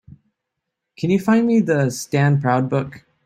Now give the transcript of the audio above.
Can you find me the Stand Proud book?